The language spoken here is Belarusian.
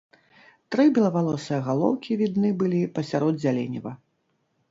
Тры белавалосыя галоўкі відны былі пасярод зяленіва.